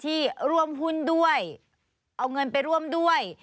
ที่ร่วมหุ้นด้วยเอาเงินไปร่วมด้วย